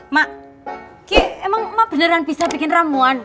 mak kayak emang emang emang beneran bisa bikin ramuan